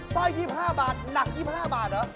สร้อย๒๕บาทหนัก๒๕บาทเหรอ